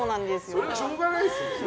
それはしょうがないですよね。